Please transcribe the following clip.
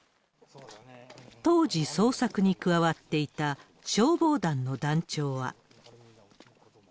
当時、捜索に加わっていた消防団の団長は。